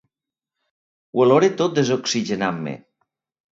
Ho oloro tot desoxigenant-me.